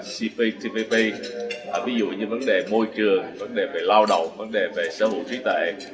cptpp ví dụ như vấn đề môi trường vấn đề về lao động vấn đề về sở hữu trí tệ